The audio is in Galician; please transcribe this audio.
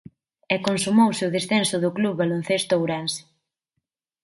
E consumouse o descenso do Club Baloncesto Ourense.